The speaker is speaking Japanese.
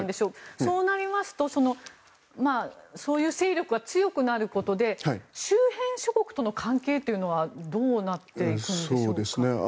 そうなりますとそういう勢力が強くなることで周辺諸国との関係というのはどうなっていくんでしょうか。